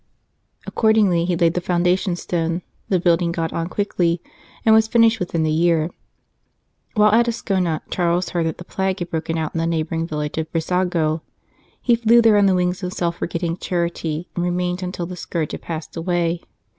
Accordingly he laid the foundation stone, the building got on quickly, and was finished within the year. While at Ascona, Charles heard that the plague had broken out in the neighbouring village of Brissago. He flew there on the wings of self forgetting charity, and remained until the scourge had passed away.